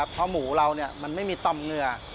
เพราะหมูมันไม่มีต้อมเงือ